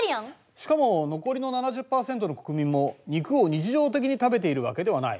しかも残りの７０％の国民も肉を日常的に食べているわけではない。